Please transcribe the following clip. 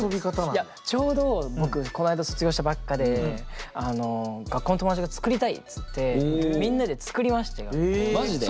いやちょうど僕この間卒業したばっかで学校の友達が「作りたい！」つってマジで！？